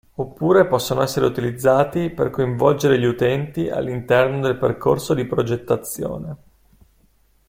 Oppure possono essere utilizzati per coinvolgere gli utenti all'interno del percorso di progettazione.